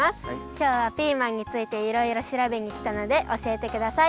きょうはピーマンについていろいろしらべにきたのでおしえてください。